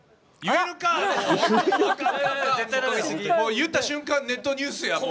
言った瞬間、ネットニュースや。